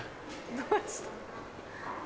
どうした。